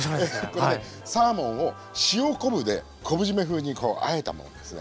これねサーモンを塩昆布で昆布じめ風にこうあえたものですね。